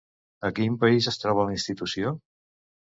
A quin país es troba la institució?